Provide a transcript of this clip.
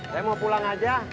saya mau pulang aja